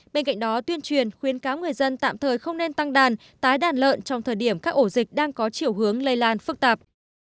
bên cạnh đó tuyên truyền khuyến cáo người dân tạm thời không nên tăng đàn tái đàn lợn trong thời điểm các ổ dịch đang có chiều hướng lây lan phức tạp